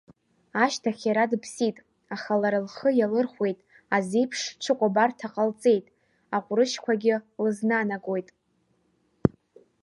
Ашьҭахь иара дыԥсит, аха лара лхы иалырхәеит, азеиԥш ҽыкәабарҭа ҟалҵеит, аҟәрышьқәагьы лызнанагоит.